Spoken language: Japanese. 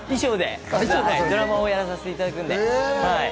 衣装で、ドラマをやらさせていただくんで。